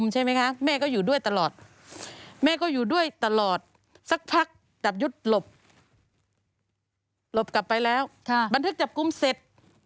หลบกลับไปแล้วบันทึกจับกุมเสร็จ